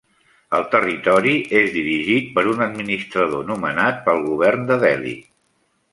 El territori és dirigit per un administrador nomenat pel govern de Delhi.